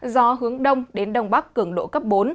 gió hướng đông đến đông bắc cường độ cấp bốn